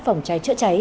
phòng cháy chữa cháy